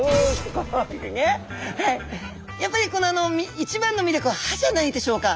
やっぱり一番の魅力は歯じゃないでしょうか。